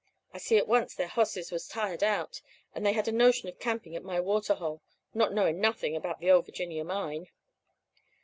I see at once their hosses was tired out, and they had a notion of camping at my water hole, not knowing nothing about the Ole Virginia mine.